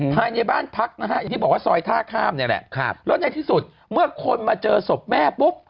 ภายในบ้านพักนะฮะอย่างที่บอกว่าซอยท่าข้ามเนี่ยแหละแล้วในที่สุดเมื่อคนมาเจอศพแม่ปุ๊บ